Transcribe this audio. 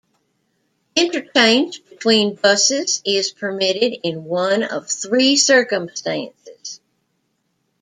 Interchange between buses is permitted in one of three circumstances.